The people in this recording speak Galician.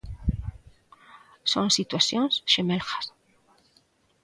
Son situacións xemelgas.